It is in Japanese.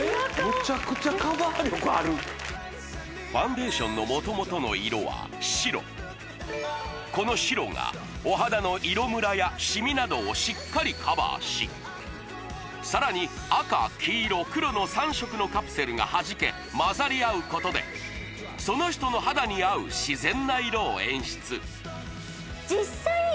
めちゃくちゃカバー力あるファンデーションの元々の色は白この白がお肌の色ムラやシミなどをしっかりカバーしさらに赤黄色黒の３色のカプセルがはじけ混ざり合うことでその人の肌に合う自然な色を演出はい